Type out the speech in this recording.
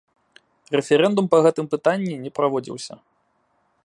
Рэферэндум па гэтым пытанні не праводзіўся.